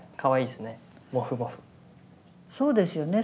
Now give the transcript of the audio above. そうですよね。